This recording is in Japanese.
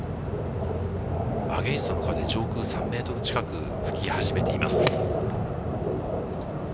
アゲインストの風、上空３メートル近く吹き始めています。